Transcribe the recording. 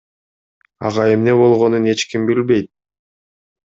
Ага эмне болгонун эч ким билбейт.